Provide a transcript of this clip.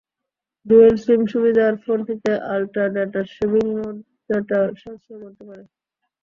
Dual SIM সুবিধার ফোনটিতেআল্ট্রা data saving mode data সাশ্রয় করতে পারে।